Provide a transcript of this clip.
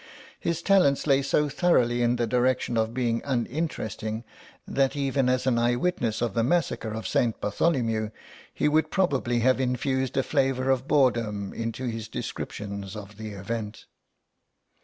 His talents lay so thoroughly in the direction of being uninteresting, that even as an eye witness of the massacre of St. Bartholomew he would probably have infused a flavour of boredom into his descriptions of the event.